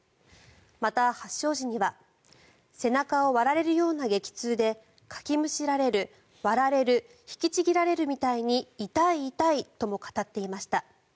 また、発症時には背中を割られるような激痛でかきむしられる、割られる引きちぎられるみたいに痛い痛いとも語っていました。